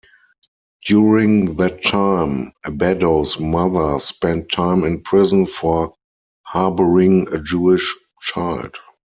During that time, Abbado's mother spent time in prison for harbouring a Jewish child.